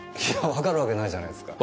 わかるわけないじゃないですか。